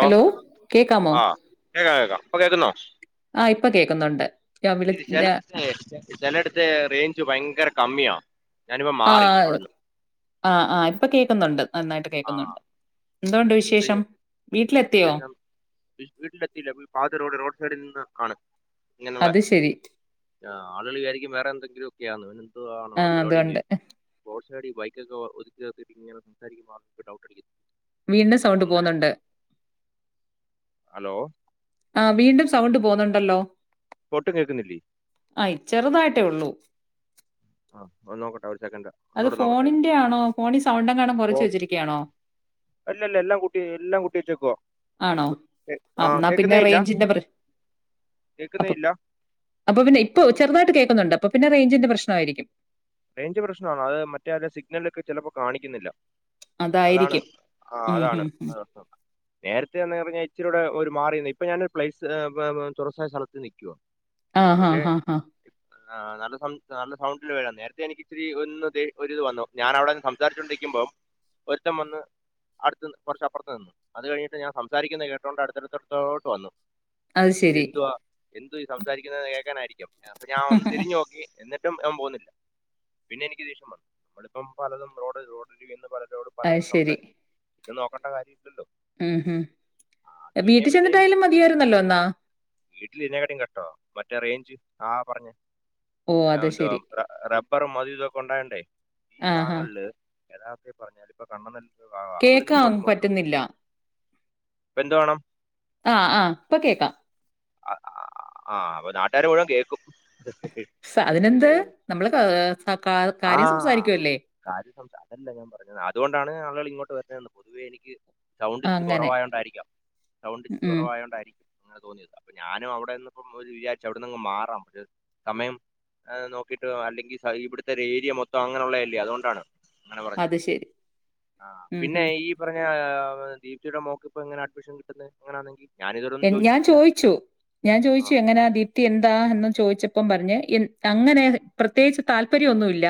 Hello കേൾക്കാമോ? [unintelligible] ഇപ്പം കേക്കുന്നോ? ആ ഇപ്പം കേക്കുന്നുണ്ട്. ഞാൻ വിളി ചിലപ്പം ചില ചിലയിടത്ത് റേഞ്ച് ഭയങ്കര കമ്മിയാ ഞാനിപ്പം ആ മാറി അവിടുന്ന്. ആ ആ ഇപ്പം കേക്കുന്നുണ്ട്. നന്നായിട്ട് ആ കേക്കുന്നുണ്ട് എന്തുകൊണ്ട് അതെ വിശേഷം വീട്ടിലെത്തിയോ വിശേഷം വീട്ടിലെത്തിയില്ല. പാതി റോഡ് റോഡ്സൈഡിൽ നിന്നാ ആണ് ഇങ്ങന്നുള്ളേ അത് ശരി ആ ആളുകള് വിചാരിക്കും വേറെന്തങ്കിലു ഒക്കെയാന്ന്. എന്തു വാ ആ ഇവിടെ പരുപാടിന്ന് അതുകൊണ്ട് ചോദിക്കും പാടി ബൈക്കൊക്കെഒതുക്കി നിർത്തി സംസാരിക്കമ്പോ ഡൌട്ട് അടിക്കും. വീണ്ടും സൗണ്ട് അങ്ങനെ പോകുന്ന്ണ്ട്. ഹലോ ആ വീണ്ടു സൗണ്ട് പോന്നെണ്ടല്ലോ? ഒട്ടും കേൾക്കുന്നില്ലേ അ ചെറുതായിട്ടേ ഉള്ളു ആ നോക്കട്ടെ സെക്കൻഡ് അത് ഒന്നൂടെ നോക്കട്ടെ ഫോണിന്റെ ആണോ ഫോണി സൗണ്ടെങ്ങാനും ഓ കുറച്ചു വെച്ചിരിക്കയാണോ അല്ലല്ല എല്ലാം കൂട്ടി എല്ലാം കൂട്ടി വെച്ചേക്കുവാ ആണോ ആഹ് എന്നാ പിന്നെ കേക്കുന്നേ ഇല്ല റേയ്ഞ്ച് പ്രശ അ കേക്കുന്നേ ഇല്ല അപ്പൊ പിന്നെ ഇപ്പൊ ചെറുതായിട്ട് കേക്ക്ന്ന്ണ്ട് പിന്നെ റെയ്ഞ്ചിന്റെ പ്രശ്നയിരിക്കും റെയ്ഞ്ച് പ്രശ്നഅ മറ്റേ ആ സിഗ്‌നൽ ക്കെ ചിലപ്പോ കാണിക്ക്ന്നില്ല അതാണ് അതായിരിക്കും ആ ഉം അതാണ് ഹും ഹും. നേരത്തെ എന്ന് പറഞ്ഞ ഇച്ചിരി മാറി നിന്ന് ഇപ്പ ഞാന് തുറസ്സായ സ്ഥലത്തുനിക്ക ആ ഹ ഹ ആ [unintelligible] എനിക്ക് ഇത്തിരി ഒന്ന് ദേ ഒരിത് വന്നു ഞാൻ അവിടെന്ന് സംസാരിച്ചുകൊണ്ടിരിക്കുമ്പം ഒരുത്തൻ വന്ന് അടുത്ത് വർഷാപ്പ് പ്പറത്ത് നിന്നു അത് കഴിഞ്ഞിട്ട് ഞാൻ സംസാരിക്കുന്ന കേട്ടോടെ അടുത്തടുത്തടുത്തോട്ട് വന്നു അത് ഇത് ശരി എന്തുവാ എന്തു ഈ സംസാരിക്കുന്നത് കേൾക്കാനായിരിക്കും അപ്പൊഞ്ഞ ഒന്ന് തിരിഞ്ഞു നോക്കി എന്നി [unintelligible] ഞാൻ പോകുന്നില്ല പിന്നെ എനിക്ക് ദേഷ്യം വന്നു നമ്മളിപ്പം പലതും റോഡ് റോഡരികിൽ നിന്ന് പറയും അത് ശരി ഇത് നോക്കണ്ട കാര്യ ഇല്ലോല്ലോ ഉം ഹം വീട്ടിൽ പിന്നെയും ചെന്നിട്ടായാലും മതിയായിരുന്നല്ലോ എന്നാ പിന്നെ റെഞ്ച് ആ പറഞ്ഞു ഓ അത് ശരി [unintelligible] റ റ റ അപ്പറും മതി ഇതൊക്കെ ഉണ്ടായണ്ടേ ഈ ആഹാ ഭാഗങ്ങളില് യഥാർത്ഥ പറഞ്ഞാലും ഇപ്പ കണ്ണന ല്ല കേക്കാ പറ്റുന്നില്ല ഇപ്പൊ എന്തു വേണം ആഹ് ആഹ് ഇപ്പ കേക്കാം ആഹ് അപ്പൊ നാട്ടുകാരു മുഴുവൻ കേൾക്കും സ് അതിനെന്ത് നമ്മള് ക- ഉ സ- കാ- ആ കാര്യം സംസാരിക്കുമല്ലേ കാര്യ സംസ അതല്ല ഞാൻ പറഞ്ഞത് അതുകൊണ്ടാണ്ആളുകൾ ഇങ്ങോട്ട് പൊതുവേ എനിക്ക് സൗണ്ട് ആ, ഇച്ചിരി അങ്ങനെ കുറവായതോണ്ടായിരിക്കാം സൗണ്ട് ഇച്ചിരി ഉം കുറവായതോണ്ടായിരിക്കും അങ്ങനെ തോന്നിയത് അപ്പൊ ഞാനും അവിടെന്ന് ഇപ്പോ വിചാരിച്ച അവിടെന്ന് മാറാം ഒരു സമയം നോക്കിട്ട് അല്ലെങ്കിൽ ഇവിടുത്തെ ഒരു ഏരിയ മൊത്തം അങ്ങനെയുള്ളത അല്ലേ അതുകൊണ്ടാണ് അങ്ങനെ പറഞ്ഞ അത് ശരി ആ ഉം പിന്നെ ഹും ഈ പറഞ്ഞ ദീപ്തി യുടെമോൾക്ക് ഇപ്പോ എങ്ങനെ അഡ്മിഷൻ കിട്ടന്നെ ഇങ്ങനാണെങ്കിൽ ഞാൻ ചോയിച്ചു ഞാൻ ആ ചോയിച്ചു അപ്പൊ എങ്ങനാ ദീപ്തി എന്താ എന്ന് ആ, ചോദിച്ചപ്പം പറഞ്ഞ് ഈ അങ്ങനെ പ്രത്യേകിച്ച് താല്പര്യംന്നുല്യ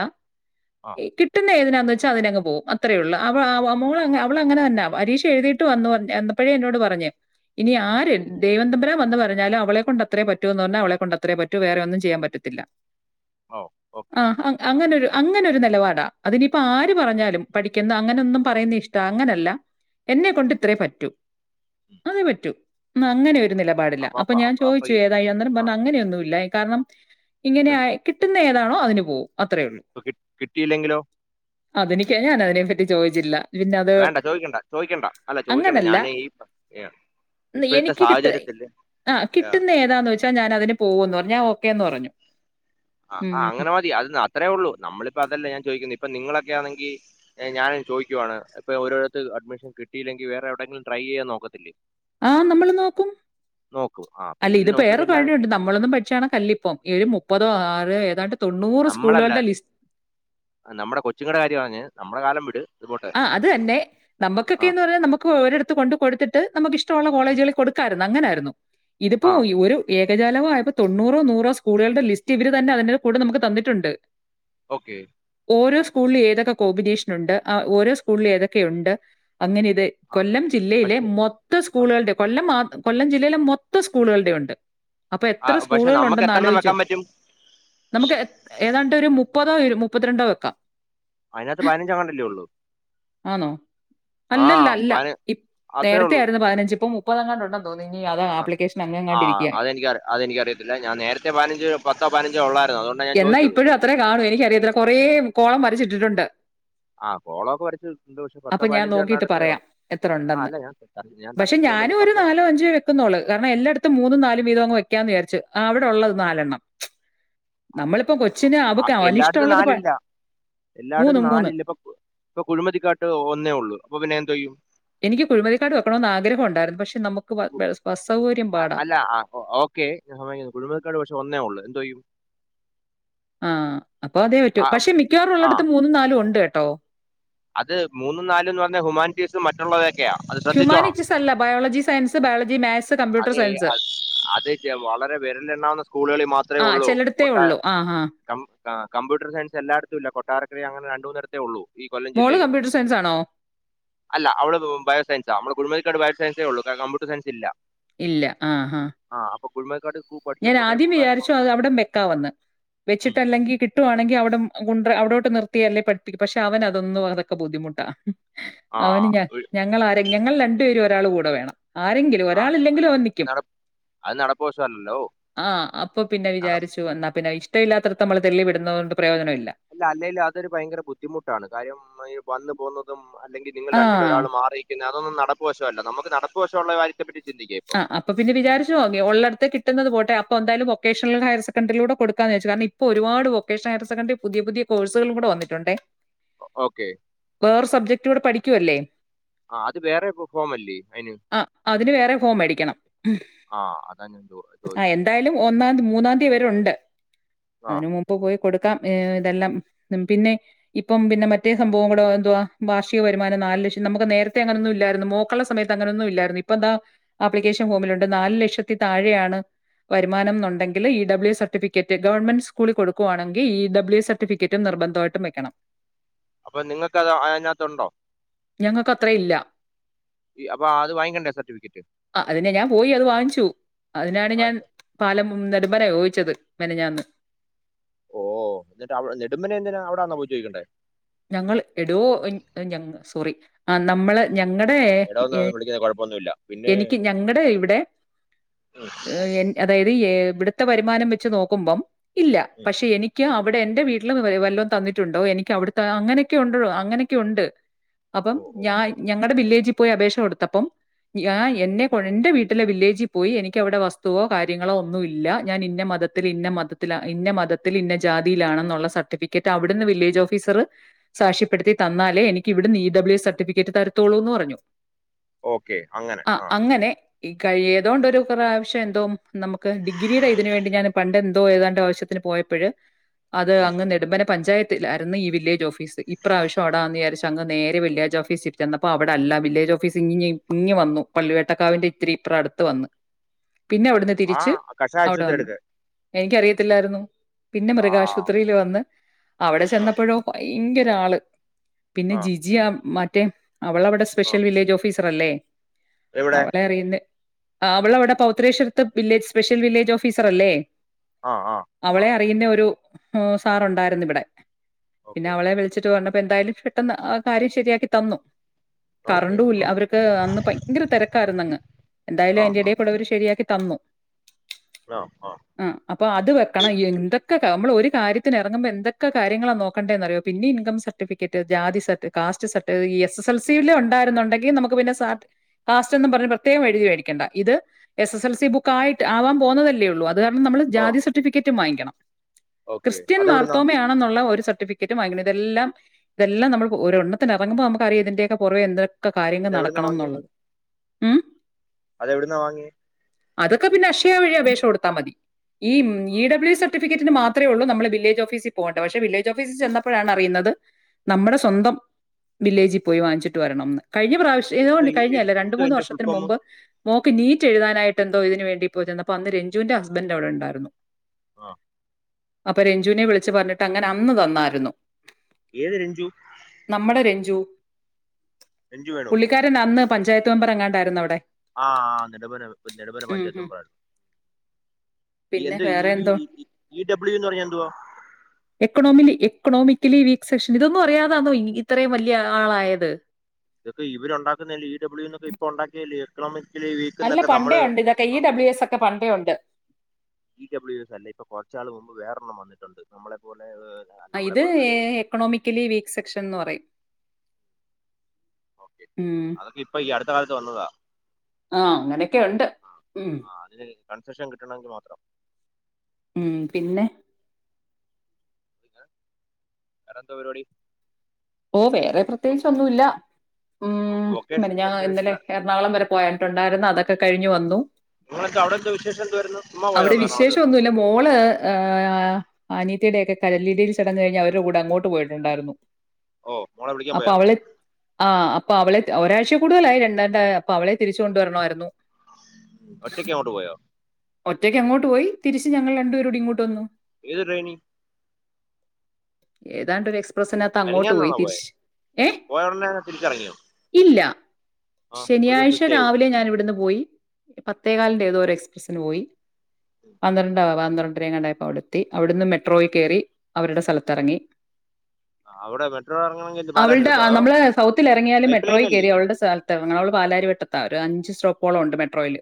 ആ എ കിട്ടുന്നതികത് ന്ന്ച്ച അങ്ങനങ്ങ്പോകും അത്രേയൊള്ളു അവ അവ മോളങ്ങനെ അവളങ്ങനല്ല പരീക്ഷ എഴുതീട്ട് വന്നു പറഞ്ഞു വന്നെപ്പഴേന്നോട് പറഞ്ഞെ ഉം, ഇനിആര്എഴുതി ദൈവം തമ്പുരാൻ ദെവം വന്ന്പറഞ്ഞാലും അവളെകൊണ്ട് അത്രപറ്റൂന്പറഞ്ഞു അവളെ കൊണ്ട് അത്രേപറ്റു വേറൊന്നും ചെയ്യാൻ പറ്റത്തില്ല ഓ ഓക്കെ ആ ഹ അങ്ങനൊരു അങ്ങനെ ഒരു നെലപാട അതിനിപ്പ് ആര്പറഞ്ഞാലും പഠിക്കണത് ആര് അങ്ങനൊന്നും പറയുന്നിഷ്ടാ അങ്ങനെയല്ല എന്നെക്കൊണ്ട് ഇത്രയേ പറ്റൂ അത് പറ്റും അനങ്ങനെയൊരു നിലപാടില്ല അപ്പൊ ഞാൻ ചോയ്ച്ചു ഏതായിന്നേരം ആ, പറഞ്ഞു അങ്ങനെയൊന്നുല്ല കാരണം ഇങ്ങനെയായി കിട്ടുന്ന എ [unintelligible] നാളെ അതിനുപോവും പ കിട്ട് കിട്ടീല്ലെങ്കിലോ [unintelligible] അതെനിക്ക് [unintelligible] അതിനെപ്പറ്റി ചോയ്ച്ചില്ല വേണ്ട ചോയ്ക്കണ്ട ചോയ്ക്കണ്ട അല്ല ചോയ്ക്കണ്ട് ഞാനെ ഈ എ ന്ന എനിക്ക് കിട്ട് ആ കിട്ടുന്ന ഏതാന്ച്ച ഞാൻ അതിനു പോകുന്ന്പറഞ്ഞ് ആ ഓക്കേന് ന്ന് പറഞ്ഞു ആ ആ ഉം അങ്ങനെമതി അത് അത്രയേഒള്ളൂ നമ്മള്പ്പതല്ലേ ഞാൻ ചോയ്ക്ക്ന്ന് പ്പോ നിങ്ങളൊക്കെയാനെങ്കിൽ എ ഞാൻ ചോയിക്കുവാണ് പൊ ഓരോരുത്ത് അഡ്മിഷൻ കിട്ടീല്ലെങ്കിൽ വേറെ എവിടെങ്കിലും ട്രൈയ്യയ്യാൻ നോക്കത്തില്ലേ ആ നമ്മള് നോക്കും നോക്കും ആ അപ്പൊ അല്ല ഇവര് ഇതിപ്പോ ഏറെ നോക്കുന്നില്ലാതെ പണിയുണ്ട് നമ്മളൊന്നും പടിച്ചാണകല്ലിപ്പം ഏഴ് മുപ്പതൊ ആർ ഏതാണ്ട് നമ്മളെല്ലാ നമ്മുടെ കൊച്ചുങ്ങടെ കാര്യാണറ്ഞ് നമ്മുടെ കാലം വിട്ടു അ അതുതന്നെ ആ, നമ്മക്കൊക്കേന്ന്റഞ്ഞാ നമ്മക്ക് ഓരോരുത്ത് കൊണ്ടു കൊടുത്തിട്ട് നമ്മക്കിഷ് ഷ്ടൊള്ള ഉം, കോളേജുകളിൽ കൊടുക്കായിരുന്നു അങ്ങനായിരുന്നു ഇതിപ്പോ ആ യു ഒരു ഏ യജാലവായപ്പോ തൊണ്ണൂറൊ നൂറോ സ്കൂളുകള്ടെ ലിസ്റ്റ് ഇവര് തന്നെ അതന്നെ കൊണ്ടു നമ്മക്ക് തന്നിട്ടുണ്ട് ഓക്കേ ഓരോ സ്കൂളില് ഏതൊക്കെ കോമ്പിനേഷനുണ്ട് അ ഓരോ സ്കൂളില് ഏതൊക്കെയുണ്ട് അങ്ങനെ ഇത് ആ കൊല്ലം ജില്ലയിലെ പക്ഷെ മൊത്തം ആ, സ്കൂളൾടെ കൊല്ലംമാ കൊല്ലം ജില്ലയിലെ മൊത്തം സ്കൂൾകളുടെ ഉണ്ട് അപ്പോ ആ, എത്ര പക്ഷെ നമുക്ക് സ്കൂളുകളുണ്ടന്ന് എത്ര എണ്ണം ആലോയ്ചു വെക്കാൻ പറ്റും നമുക്ക് എത് ഏതാണ്ട് ഒരു മുപ്പത് [unintelligible] മുപ്പത്തി രണ്ടോ വെക്കാം അയിനകത്ത് പതിനഞ്ച്ങ്ങാൻ ഇണ്ട് ലെ ഉള്ളൂ ആണോ? ആ അല്ലല്ല അല്ല പതിന ഇ നേരത്തെ ആയിരുന്നു പതിനഞ്ച് ഇപ്പോ മു പ്പതെങ്ങാൻ ഉണ്ടന്നേ അ ആ അതെനിക്കറിയ അതെനിക്കറിയത്തില്ല ഞാൻ നേരത്തെ പതിനഞ്ച് പത്തോ പതിനഞ്ചോ ഉള്ളായിരുന്നു അതോ എന്നാ ഇപ്പഴും അത്രേ കാണൂ എനിക്കറിയത്തില്ല കൊറേ കോളം വരച്ചിട്ടിട്ടുണ്ട് ആ കോളമൊക്കെ വരച്ചിട്ടുണ്ട് പക്ഷെ പത്തോ അപ്പ ഞാൻ പതിനഞ്ചോ നോക്കീട്ട് എണ്ണായിടത്തേ പറയാം ഉള്ളൂ എത്ര ആ ഉണ്ടെന്ന് അല്ല ഞാൻ ത- ഞാൻ പക്ഷേ തർക്കിക്കാൻ വേണ്ടി ഞാനും ഒരു പറഞ്ഞതല്ല നാലോ അഞ്ചോ വെക്കുന്നുള്ളൂ കാരണം എല്ലാടത്തും മൂന്നും നാലും വീതം അങ്ങ് വെക്കാന്ന് വിചാരിച്ചു ച്ച് ആ അവിടുള്ളത് നാലെണ്ണം അ അ എല്ലാടത്തും പ നാലില്ല എല്ലാടത്തും നാലില്ല ഇപ്പോ ഇപ്പോ കുഴിമതിക്കാട്ട് ഒന്നേ ഉള്ളു അപ്പ പിന്നെ എന്തോ ചെയ്യും എനിക്ക് കുഴിമതിക്കാട്ട് വെക്കണംന്ന് ആഗ്രഹം ഉണ്ടായിരുന്നു പക്ഷേ നമ്മുക്ക് വ ബസ് ബസ് സൗകര്യം അ പാടാ. അല്ല അ ഓക്കെ കുഴിമതികാട് പക്ഷേ ഒന്നേ ഉള്ളൂ എന്തോ ചെയ്യും. ആ അപ്പ അതേ പറ്റൂ ആ പക്ഷേ മിക്കവാറും ആ, ഉള്ളടേത്ത് മൂന്നും നാലും ഉണ്ട് കേ ട്ടോ അത് മൂന്നും നാലും ന്ന് പറഞ്ഞ ഹുമാനിറ്റീസും മറ്റുള്ളവ ഹ്യൂമാനിസ്റ്റീസ് അല്ല biology science biology maths അതേ അ അത് ചെ വളരെ വെരലിലെണ്ണാവുന്ന സ്‌കൂളുകളിൽ മാത്രേ ആ ഉള്ളൂ ചിലടത്തേ കൊട്ടാ ഉള്ളൂ. ആ, ആ. കം ആഹ് കംപ്യൂട്ടർ സയൻസ് എല്ലാടത്തും ഇല്ല കൊട്ടാരക്കര അങ്ങനെ ര ണ്ട്മൂന്നെടത്തെ ഒള്ളൂ ഈ കൊല്ലം മോള് ജില്ലയില് കമ്പ്യൂട്ടർ സയൻസ് ആണോ? അല്ല അവള് ബയോ സയൻസാ മള് കുഴുമലികാട് ബയോ സയൻസെ ഉള്ളൂ കംപ്യൂട്ടർ സയൻസില്ല ഇല്ല ആ ആ കുഴിമ ഞാൻ ആദ്യം വിചാരിച്ചു അത് അവിടെ വക്കാം എന്ന് വെച്ചിട്ടല്ലെങ്കി കിട്ടുവാണെങ്കി അവിടം കുണ്ടറ അവിടോ ട്ട് നിർത്തിയല്ലേ പഠിപ്പിക്കൂ പക്ഷേ അവനതൊന്നും അതൊക്കെ ബുദ്ധിമുട്ടാ ആ അവന് ഞ ഒഴി- ഞങ്ങളാരെങ്കി ഞങ്ങൾ രണ്ടു പേരും ഒരാള് കൂടെ വേണം ആരെങ്കിലും അ അത് ഒരാളില്ലെങ്കിലും അവൻ അത് നിക്കും. നടപ്പു നടപ്പുവശം അല്ലല്ലോ ആ അപ്പ പിന്നെ വിചാരിച്ചു എന്ന പിന്നെ ഇഷ്‌ടല്ലാത്തടത്ത് അമ്മള് തള്ളി വിടുന്നോണ്ട് പ്രയോജനം ഇ അല്ല അല്ലേലും അതൊരു ഭയങ്കര ബുദ്ധിമുട്ടാണ് കാര്യം മ്മള് ഈ വന്ന് പോവു തും അ അല്ലെങ്കിൽ നിങ്ങൾ ആ രണ്ടിലൊരാള് മാറി നിൽക്കുന്നെ അതൊന്നും നട നടപ്പ് വശം അല്ല നമ്മക്ക് നടപ്പ് വശം ഉള്ള കാ ആ അപ്പം പിന്നെ വിചാരിച്ചത് ഓക്കേ ഉള്ളിടത്തു കിട്ടുന്നത് പോട്ടെ അ അപ്പം എന്തായാലും വൊക്കേഷണൽ ഹയർ സെക്കന്ററി യിൽ കൂടെ കൊടുക്കാന്ന് വെച്ച് കാരണം ഇപ്പം ഒരുപാട് വൊക്കേഷണൽ ഹയർ സെക്കന്ററി പുതിയ പുതിയ കോഴ്സ്കളും കൂടെ വന്നിട്ടുണ്ടേ ഓക്കെ വേറെ സബ്ജെക്ട് കൂടെ പഠിക്കുവല്ലേ ആ അത് വേറെ ഫോം അല്ലേ അതിന് ആ അതിന് വേറെ ഫോം മേടിക്കണം ആ അതാ ഞാൻ ചോ- ആ ചോദിച്ചത് എന്തായാലും ഓക്കെ ഒന്നാം മൂന്നാം തീയതി വരെയുണ്ട് ആ അതിന് മുൻപ് പോയ്‌ കൊടുക്കാം ഇതെല്ലാം പിന്നെ ഇപ്പം പിന്നെ മറ്റേ സംഭവം കൂടെ എന്തുവാ വാർഷിക വരുമാനം നാല് ലക്ഷം നമ്മക്ക് നേരത്തെ അങ്ങനൊന്നുമില്ലാരുന്നു മോൾക്കുള്ള സമയത്ത് അങ്ങനെ ഒന്നുമില്ലാരുന്നു ഇപ്പം ദാ ആപ്ലിക്കേഷൻ ഫോമിലുണ്ട് നാല് ലക്ഷത്തി താഴെ ആണ് വരുമാനംന്ന് ഉണ്ടെങ്കില് ഇ ഡബ്ല്യൂ സർട്ടിഫിക്കറ്റ് ഗവണ്മെന്റ് സ്കൂളിൽ കൊടുക്കുവാണെങ്കി ഇ ഡബ്ല്യൂ സർട്ടിഫിക്കറ്റ് നിർബന്ധം ആയിട്ടും വെയ്ക്കണം അപ്പം നിങ്ങക്ക് അത് അതിനകത്ത് ഉണ്ടോ ഞങ്ങൾക്ക് അത്രേ ഇല്ല ഈ അപ്പൊ അത് വാങ്ങിക്കണ്ടേ സർട്ടിഫിക്കറ്റ് ആ അതിന് ഞാൻ പോയി അത് വാങ്ങിച്ചു അതിനാണ് ഞാൻ വാങ്ങിച്ചു പാലം നെടുംപന ചോദിച്ചത് മെനഞ്ഞാന്ന് ഓ എന്നിട്ട് അവിടെ നെടുംപന എന്തിനാ അവിടാണോ പോയി ചോദിക്കണ്ടേ ഞങ്ങള് എടോ ഞങ്ങ ഞങ്ങ സോറി ആ നമ്മള് ഞങ്ങടെ എടാ എ ഒന്ന് വിളിക്കുന്നത് കുഴപ്പമൊന്നുമില്ല പിന്നെ എനിക്ക് ഉം, ഞങ്ങടെ ഇവിടെ എ അതായത് എ ഇവിടുത്തെ വരുമാനം വെച്ച് നോക്കുമ്പം ഇല്ല ഉം, പക്ഷെ എനിക്ക് അവിടെ എന്റെ വീ [unintelligible] വെല്ലോം തന്നിട്ടുണ്ടോ എനിക്ക് അവിടു ആ അങ്ങനെയൊക്കെ ഉണ്ടെടോ അങ്ങനെയൊക്കെ ഉണ്ട് അപ്പം ഓ ഓ ഞാൻ ഓ ഞങ്ങടെ വില്ലേജി പോയ്‌ അപേക്ഷ കൊടുത്തപ്പം ആ എന്നെ കൊ എന്റെ വീ ട്ടിലെ വില്ലേജി പോയ്‌ എനിക്ക് അവിടെ വസ്തുവോ കാര്യങ്ങളോ ഒന്നുമില്ല ഞാൻ ഇന്ന മതത്തില് ഇന്ന മതത്തില് ഇന്ന മതത്തില് ഇന്ന ജാതിയിലാണെന്നുള്ള സർട്ടിഫിക്കറ്റ് അവിടുന്ന് വില്ലജ് ഓഫീസറ് സാക്ഷി പെടുത്തി തന്നാലേ എനിക്ക് ഇവിടുന്ന് ഇ ഡബ്ല്യൂ സർട്ടിഫിക്കറ്റ് തരുത്തോള്ളൂന്ന് പറഞ്ഞു ഓക്കേ അങ്ങനെ ആ അങ്ങനെ ഈ കഴി ഏതാണ്ട് ഒര് പ്രാവശ്യം എന്തോ നമ്മക് ഡിഗ്രിടെ ഇതിനു വേണ്ടി ഞാൻ പണ്ടെന്തോ ഏതാണ്ട് ആവശ്യത്തിന് പോയപ്പഴ് അത് ഉം. അങ്ങ് നെടുംപന പഞ്ചായത്തിലാരുന്ന് ഈ വില്ലേ ജ് ഓഫീസ് ഇപ്രാവശ്യം അവിടാന്ന് വിചാരിച്ച് അങ്ങ് നേരെ വില്ലേജ് ഓഫീസിൽ ചെന്നപ്പം അവിടെ അല്ല വില്ലേജ് ഓഫീസ് ഇങ്ങ് ഇങ്ങ് വന്നു പള്ളി വേട്ട കാവിന്റെ ഇത്തിരി ഇപ്രം അടുത്ത് വന്ന് പിന്നെ അവിടുന്ന് ആ തിരിച്ച് കഷായ അവിടെ ആശുപത്രി വന്നു എടുക്ക് എനിക്കറിയത്തില്ലാരുന്നു പിന്നെ ആ മൃഗാശുപത്രിയിൽ വന്ന് അവിടെ ആ ചെന്നപ്പൊഴോ ഇന്റെയൊരാള് പിന്നെ ആ ജിജിയാ മ റ്റേ അവള് അവിടെ ആ സ്പെഷ്യൽ വില്ലേജ് ഓഫീസ് സറല്ലേ എവിടെ അവളെ അറിയുന്നെ അവൾ അവിടെ പൗത്രേശരത് വില്ലേജ് സ്പെഷ്യൽ വില്ലേജ് ഓഫീസറല്ലേ ആ ആ ആ അവളെ അറിയുന്ന ഒരു സാറൊണ്ടായിരുന്നു ഇവിടെ ഓക്കെ ഇപ്പെന്തായാലും പെട്ടെന്ന് കാര്യം ശരിയാക്കി തന്നു ഓക്കെ കറണ്ടൂല്ല. ഓക്കെ അവരക്ക് അന്ന് ഭയങ്കര തെരക്കായിരുന്നു അങ്ങ് എന്തായാലും ആ അതിൻ്റെ ആ ഏടയിക്കൂടെ ശരിയാക്കി തന്നു. ആ അപ്പൊ അതു വക്കണം എന്തൊക് ക്കൊക്കെ. നമ്മള് ഒരു കാര്യത്തിന് ഇറങ്ങുമ്പ എന്തൊക്കെ കാര്യങ്ങളാ നോ ക്കണ്ടേന്നറിയോ പിന്നെ ഇൻകംസർട്ടിഫിക്കറ്റ് ജാതി സർട്ട് കാസ്റ്റ് സർട്ട് ഈ എസ്എസ്എൽസി ല് ഉണ്ടായിരുന്നൊണ്ടെങ്കി നമുക്ക് പിന്നെ സാർട്ട് കാസ്റ്റ് എന്നും പറഞ്ഞ് പ്രത്യേകം എഴുതി മേടിക്കണ്ട ഇത് S S L C book ക്ക് ആയിട്ട് ആവാൻ പോന്നതല്ലേയൊള്ളൂ. അ ത് കാരണം നമ്മള് ഓ ജാതി സർട്ടിഫിക്കറ്റും വാങ്ങി ക്കണം. ഓക്കെ ക്രിസ്ത്യൻ അതെവിടുന്നാ മാർത്തോമ്മയാണെന്നുള്ള ഒരു സർ ട്ടിഫിക്കറ്റും വാങ്ങിക്കണം. ഇതെല്ലാം ഇതെല്ലാം നമ്മള് ഒരെണ്ണത്തിന് ഇറങ്ങുമ്പോ അറിയാം ഇതിൻ്റെയൊക്കെ പുറകെ എന്ത് ക്കെ കാര്യങ്ങൾ അതെവിടുന്നാ വാങ്ങി നടക്കണംന്നുള്ളത് ഉം അതെവിടുന്നാ വാങ്ങിയേ അതൊക്കെ പിന്നെ അക്ഷയ വഴി അപേക്ഷ കൊടുത്താമതി ഈ ഇ ഡബ്ളിയു സർട്ടിഫിക്കറ്റിനു മാത്രേയുള്ളൂ വില്ലേജ് ഓഫീസി പോണ്ടേ. പക്ഷെ വില്ലേജ് ഓഫീസിൽ ചെന്നപ്പോഴാണ് അറിയുന്നത് നമ്മുടെ സ്വന്തം വില്ലേജിൽ പോയി വാങ്ങിച്ചിട്ടു വരണെന്ന് കഴിഞ്ഞ പ്രാവശ്യം ഏഓ എന്തോ ഈ കഴിഞ്ഞ എൻ- അല്ല രണ്ടു എന്തോ മൂന്നു എന്റെ ഫുൾ വർഷത്തിനു ഫോം മുമ്പ് മോക്ക് നീറ്റ് എഴുതാനായി ട്ട് എന്തോ ഇതിനുവേണ്ടി ഇപ്പൊ ചെന്നപ്പോ അവിടെ രഞ്ജൂൻ്റെ ഹസ്ബൻ്റ് അവിടെ ഉണ്ടായിരുന്നു. ആ അപ്പൊ രഞ്ജുനെ വിളിച്ച് പറഞ്ഞിട്ട് അങ്ങനെ അന്ന് തന്നായിരുന്നു ഏത് രഞ്ജു ജു രഞ്ജു വേണോ പുള്ളിക്കാരൻ അന്ന് പഞ്ചായത്ത് മെമ്പർ എങ്ങാണ്ടായിരുന്നു അവിടെ ആ ആ നെടുമന നെടുമന ഉം പഞ്ചായത്ത് ഉം. മെമ്പറങ്ങാണ്ടായിരുന്നു പിന്നെ എന്താ ഇ വേറെ ബി എന്തോ ഇ ഡബ്ലിയു എന്നു പറഞ്ഞാ എന്തുവാ എക്കണോമിലി എക്കണോമിക്കലി വീക്ക് സെക്ഷൻ ഇതൊന്നും അറിയാതാന്നോ ഇത്രയും വലിയ ആളായത് ഇതിപ്പെ ഇവര് ഉണ്ടാക്കുന്നതല്ലേ ഇ ഡബ്ലിയുന്നൊക്കെ ഇപ്പൊ ഉണ്ടാക്കിയല്ലയോ എക്കണോമിക്ക് ക്കലി വീക്ക് അല്ല എന്നൊക്കെ പണ്ടേ നമ്മള് ഉണ്ട് ഇതൊക്കെ ഈ ആ ഡബ്ല്യു എസ് ഒക്കെ പണ്ടേ ഉണ്ട് ഈ ഡബ്ലിയുന്നല്ല ഇപ്പൊ കുറച്ചു നാള് മുൻപ് വേറൊരെണ്ണം വന്നിട്ടുണ്ട് ഉണ്ടുണ്ട് നമ്മളേ പോലെ നമ്മളെ ഇത് പോലെ നല്ല എക്കണോമിക്കലി വീക്ക് സെക്ഷൻ എന്ന് പറയും ഓക്കെ ഉം അതൊക്കെ ഇപ്പൊ ഈ അടുത്ത കാലത്ത് വന്നതാ ആ അങ്ങനൊക്കെയുണ്ട് ഉം കൺസഷൻ കിട്ടണവെങ്കി മാത്രം ഉം പിന്നെ വേറെന്താ പരിപാടി ഓ വേറെ പ്രത്യേകിച്ച് ഒന്നുല്ല ഉം വൊക്കേഷ മിനിഞ്ഞാന്ന് ഇന്നലെ വൊക്കേഷണൽ എറണാകുളം വരെ പോയട്ടുണ്ടായിരുന്നു അതൊക്കെ ക കഴിഞ്ഞു വന്നു നിങ്ങളെന്താ അവിടെ എന്താ വിശേഷം എന്തുവായിരുന്നു ചുമ്മാ അവിടെ പോയതാന്നോ എറണാകുളത്ത് വിശേഷം ഒന്നുല്ല മോള് ഏ അനിയത്തീടെക്കെ കല്ലിടൽ ചടങ്ങ് കഴിഞ്ഞ് അവരുടെ കൂടെ അങ്ങോട്ട് പോയിട്ടുണ്ടായിരുന്നു ഓ മോളെ വിളിക്കാൻ അപ്പൊ പോയതാന്നോ അവള് ആ അപ്പൊ അവള് ഒരാഴ്ച കൂടുതൽ ആയി രണ്ട് ണ്ട് അപ്പൊ അവളെ തിരിച്ചു കൊണ്ട് വരണം ആയിരുന്നു ഒറ്റയ്ക്കങ്ങോട്ട് പോയോ ഒറ്റയ്ക്കങ്ങോട്ട് പോയി തിരിച്ച് ഞങ്ങൾ രണ്ട് പേരൂടെ ഇങ്ങോട്ട് വന്നു ഏത് ട്രെയിനി ഏതാണ്ട് ഒരു എസ് ക്സ്പ്രസ്സിനാത്ത് അങ്ങോട്ട് പോയി മെനഞ്ഞാന്നാണോ പോയെ തിരിച്ച് ഏ പോയ ഉടനെ തന്നെ തിരിച്ചിറങ്ങിയോ ഇല്ലാ ആ ഒരു ദിവസം ശനിയാഴ്ച സ്റ്റേ ചെയ്തോ രാവിലെ ഞാനിവിടന്നു പോയി പത്തേ കാൽ [unintelligible] സ്സിന് പോയി [unintelligible] [unintelligible] എങ്ങാണ്ടായപ്പോ അവിടെത്തി അവിടന്ന് മെട്രോയിൽ കേറി അവരുടെ സ്ഥലത്ത് എറങ്ങി അവിടെ മെട്രോ ഇറങ്ങണമെങ്കിൽ എന്ത് പാലായിൽ അവൾടെ എടുത്തോ അതോ നമ്മൾ സൗത്തിൽ ഇറങ്ങിയാലും പൈപ്പ് ലൈൻ മെട്രോയിൽ അല്ലേ കേറി അവൾടെ സ്ഥലത്ത് എറങ്ങാം അവള് പാലാരിവട്ട താ ഒരു അഞ്ച് സ്റ്റോപ്പോളുണ്ട് മെട്രോയില്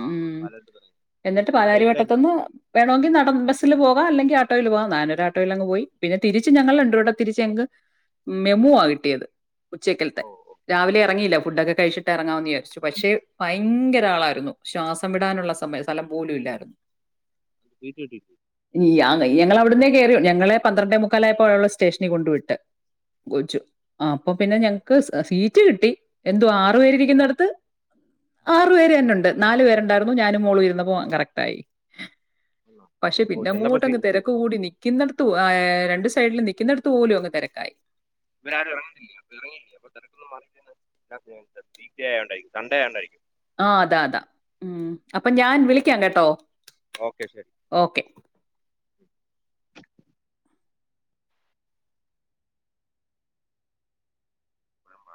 ആ പാലോട്ട് തുടങ്ങി എന്നിട്ട് അതൊരു പൈപ്പ് ലൈനാണോ പാലാരിവട്ടത്ത്ന്ന്‌ വേണോങ്കി നടന്ന് ബസ്സില് പോകാം അല്ലെങ്കി ആട്ടോല് പോകാം നാനൊരു ആട്ടോലങ്ങ് പോയി പിന്ന തിരിച്ച് ഞങ്ങൾ രണ്ടു പേരൂടെ തിരിച്ച് ഞങ്ങക്ക് തിരിച്ച് മെമുവാ കിട്ടിയത് ഉച്ചക്കെൽത്തെ ഓ ഓ രാവിലെ എറങ്ങിയില്ല ഫുഡ്‌ ഒക്കെ കഴിച്ചിട്ട് എറങ്ങാന്ന് വിചാരിച്ചു പക്ഷേ ഭയങ്കര ആളായിരുന്നു ശ്വാസം വി ടാനുള്ള സമ സ്ഥലം പോലും ഇല്ലായിരുന്നു [unintelligible] [unintelligible] ഞങ്ങളവിടന്നേ കേറി ഞങ്ങളെ പന്ത്രണ്ടേ മുക്കാലായപ്പോ അവിടെയുള്ള സ്റ്റേഷനിൽ കൊണ്ട് വിട്ട് ഉം, കൊച്ചു ആഹ് അപ്പൊ പിന്നെ ഞങ്ങക്ക് സ് സീറ്റ്‌ കിട്ടി എന്തോ ആറ് ഉം, പേര് ഇരിക്കിന്നിടത്ത് ആറു പേര് തന്നെ ഇണ്ട് നാലു പേര് പേരുണ്ടായി ഞാനും മോളും ഇരുന്നപ്പോ കറക്റ്റ് ആയി വന്നോ? പക്ഷേ ഓ ചെന്നപ്പോ പിന്നങ്ങോട്ടങ്ങ് സി- സി- തിരക്ക് കൂടി നിക്കിന്നട ഉ ആഹ് രണ്ട് സൈഡിൽ നിക്കിന്നിടത്തും അങ്ങ് തിരക്ക് ആയി ഇവരാരും ഇറങ്ങുന്നില്ല അപ്പൊ ഇറങ്ങിയില്ല അപ്പൊ [unintelligible] സൺഡേ ഞാൻ ഉണ്ടായി ആഹ് അതാ അതാ ഉം അപ്പൊ ഞാൻ വിളിക്കാം കെട്ടോ ഓക്കേ ശരി ഇപ്പോഴും